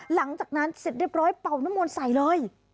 หลังจากนั้นเสร็จเรียบร้อยเป่าน้ำมนต์ใส่เลย